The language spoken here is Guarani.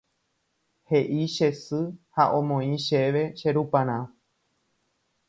He'i che sy ha omoĩ chéve che ruparã.